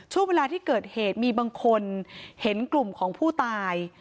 ช่วงเวลาที่เกิดเหตุมีบางคนเห็นกลุ่มของผู้ตาย